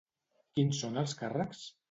Quins són els càrrecs?